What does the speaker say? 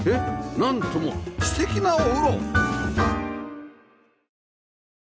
なんとも素敵なお風呂！